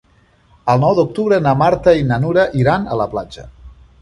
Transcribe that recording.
El nou d'octubre na Marta i na Nura iran a la platja.